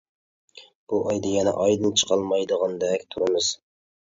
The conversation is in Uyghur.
بۇ ئايدا يەنە ئايدىن چىقالمايدىغاندەك تۇرىمىز.